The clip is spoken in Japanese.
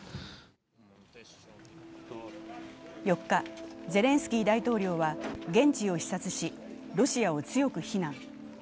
４日、ゼレンスキー大統領は現地を視察しロシアを強く非難。